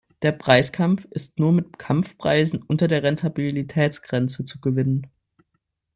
Dieser Preiskampf ist nur mit Kampfpreisen unter der Rentabilitätsgrenze zu gewinnen.